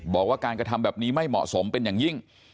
บอกว่าการกระทำแบบนี้ไม่เหมาะสมเป็นอย่างยิ่ง